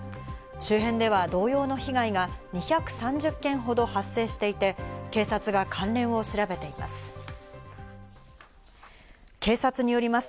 周辺では同様の被害が２３０件ほど発生していて、警察が関連を調べています。